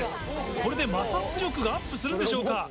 これで摩擦力がアップするんでしょうか？